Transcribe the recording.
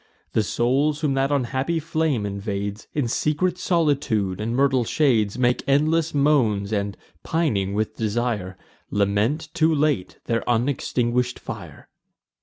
The souls whom that unhappy flame invades, In secret solitude and myrtle shades Make endless moans, and, pining with desire, Lament too late their unextinguish'd fire.